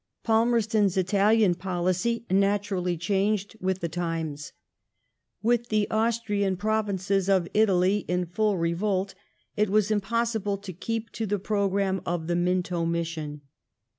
Palmerston's Italian policy natarally changed withi^ the times. With the Austrian provinces of Italy in full revolt, it was impossible to keep to the programme of the Miuto mission.